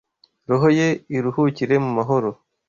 Roho ye iruhukire mu mahoro.”